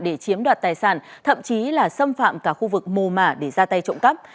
để chiếm đoạt tài sản thậm chí là xâm phạm cả khu vực mồ mả để ra tay trộm cắp